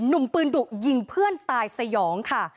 หนุ่มปืนดุยิงเพื่อนตายสยองค่ะ